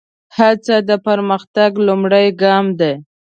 هڅه د پرمختګ لومړی ګام دی.